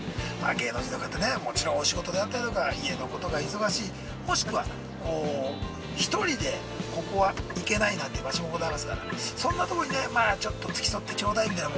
芸能人の方ね、もちろん、お仕事であったりとか家のことが忙しいもしくは、１人でここは行けないなんて場所もございますからそんなとこにね、ちょっと付き添ってちょうだいみたいな。